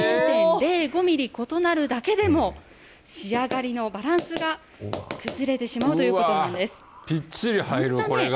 ０．０５ミリ異なるだけでも、仕上がりのバランスが崩れてしまぴっちり入る、これが。